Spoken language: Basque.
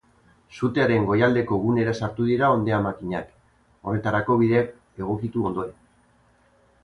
Sutearen goialdeko gunera sartu dira gaur hondeamakinak, horretarako bideak egokitu ondoren.